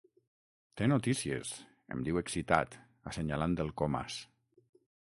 Té notícies —em diu excitat, assenyalant el Comas.